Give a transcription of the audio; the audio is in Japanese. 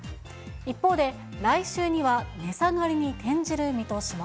一方で、来週には値下がりに転じる見通しも。